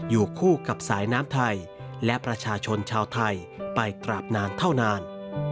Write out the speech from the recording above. อยู่คู่กับสายน้ำไทยและประชาชนชาวไทยไปกราบนานเท่านาน